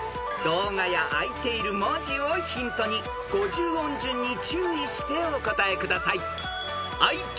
［動画や開いている文字をヒントに５０音順に注意してお答えください］